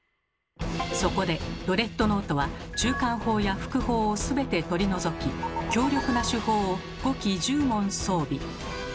そこでドレッドノートは中間砲や副砲を全て取り除き強力な主砲を５基１０門装備。